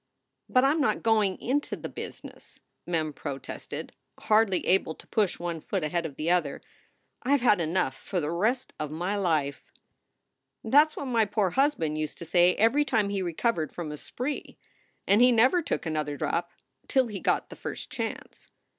"But I m not going into the business!" Mem protested, hardly able to push one foot ahead of the other. "I ve had enough for the rest of my life." "That s what my poor husband used to say every time he recovered from a spree. And he never took another drop till he got the first chance."